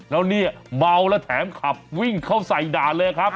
แล้วเนี่ยเมาแล้วแถมขับวิ่งเข้าใส่ด่านเลยครับ